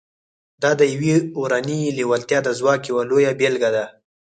دا د يوې اورنۍ لېوالتیا د ځواک يوه لويه بېلګه ده.